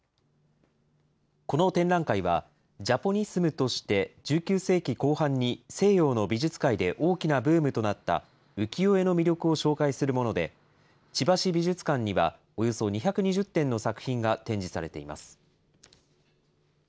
この展覧会は、ジャポニスムとして、１９世紀後半に西洋の美術界で大きなブームとなった浮世絵の魅力を紹介するもので、千葉市美術館にはおよそ２２０点の作品が展示されています。